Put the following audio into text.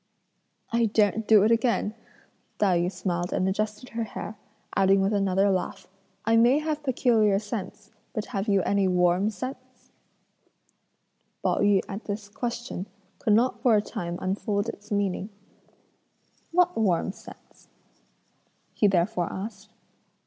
"I daren't do it again," Tai yü smiled and adjusted her hair; adding with another laugh: "I may have peculiar scents, but have you any 'warm' scents?" Pao yü at this question, could not for a time unfold its meaning: "What 'warm' scent?" he therefore asked.